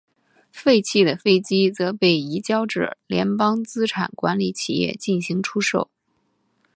废弃的飞机则被移交至联邦资产管理企业进行出售。